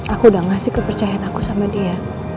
aku udah ngasih kepercayaan aku sama dia